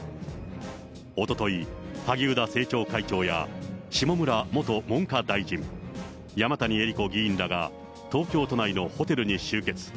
おととい、萩生田政調会長や下村元文科大臣、山谷えり子議員らが、東京都内のホテルに集結。